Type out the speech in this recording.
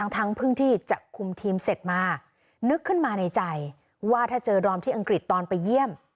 ทั้งเพิ่งที่จะคุมทีมเสร็จมานึกขึ้นมาในใจว่าถ้าเจอดอมที่อังกฤษตอนไปเยี่ยม